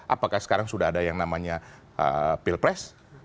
apakah sekarang sudah ada yang namanya pilpres